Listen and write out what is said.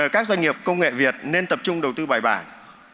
các doanh nghiệp công nghệ việt nên tập trung đầu tư bài bản